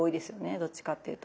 どっちかっていうと。